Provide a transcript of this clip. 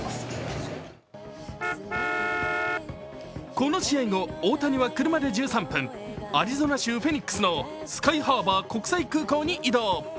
この試合後、大谷は車で１３分、アリゾナ州フェニックスのスカイハーパー国際空港に移動。